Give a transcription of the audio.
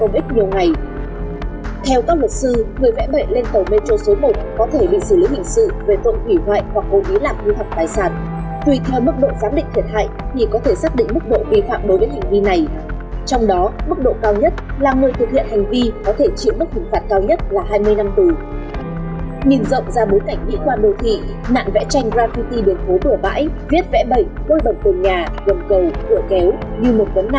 viết vẽ bẩy bôi bẩm tồn nhà gồng cầu cửa kéo như một vấn nạn